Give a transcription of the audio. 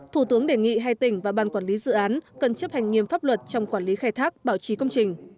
thủ tướng đề nghị hai tỉnh và ban quản lý dự án cần chấp hành nghiêm pháp luật trong quản lý khai thác bảo trì công trình